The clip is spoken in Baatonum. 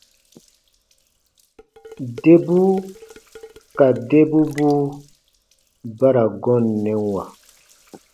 Debu ka debubuu ba ra gɔnnɛwa.